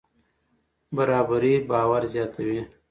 برابري باور زیاتوي.